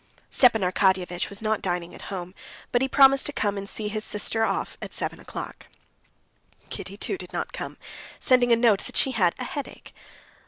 Stepan Arkadyevitch was not dining at home, but he promised to come and see his sister off at seven o'clock. Kitty, too, did not come, sending a note that she had a headache.